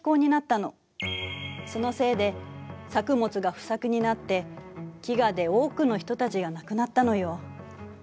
そのせいで作物が不作になって飢餓で多くの人たちが亡くなったのよ。